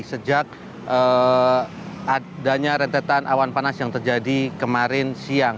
sejak adanya rentetan awan panas yang terjadi kemarin siang